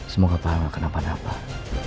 semoga pak al gak kena panah pak